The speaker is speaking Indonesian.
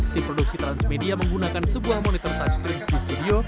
di produksi transmedia menggunakan sebuah monitor touchscreen studio